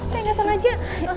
saya gak sama aja